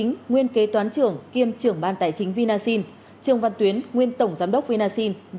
nguyễn phó tổng giám đốc vinasi